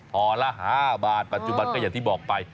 พอละ๕บาทปัจจุบันก็อย่างที่บอกไป